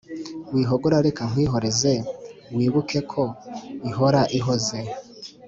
Wihogora reka nkwihoreze Wibuke ko ihora ihoze